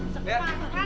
sekarang aku masuk